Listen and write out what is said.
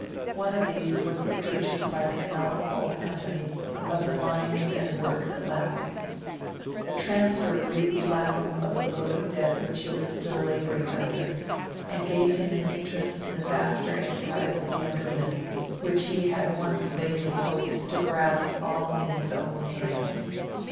One of these was the purchase by the Kanawha Falls Company of the mines and works at Lapham. The transfer relieved Lapham of the load of debt which he was still labouring under, and gave him an interest in the vaster enterprise of the younger men, which he had once vainly hoped to grasp all in his own hand.